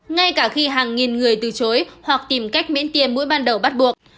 ngay cả khi hàng nghìn người từ chối hoặc tìm cách miễn tiền mũi ban đầu bắt buộc